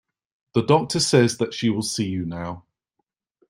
The doctor says that she will see you now.